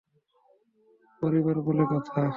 পরিবার বলে কথা।